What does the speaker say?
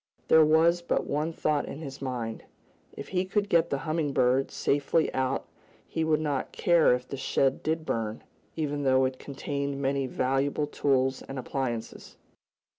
There was but one thought in his mind. If he could get the Humming Bird safely out he would not care if the shed did burn, even though it contained many valuable tools and appliances.